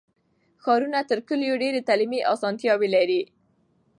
ښارونه تر کلیو ډېر تعلیمي اسانتیاوې لري.